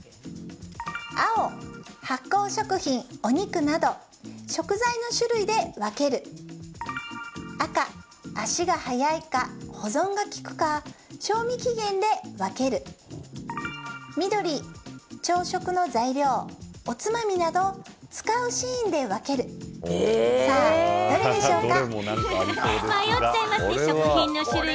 青・発酵食品、お肉など食材の種類で分ける赤・足が早いか、保存が利くか賞味期限で分ける緑・朝食の材料、おつまみなど使うシーンで分けるさあ、どれでしょうか？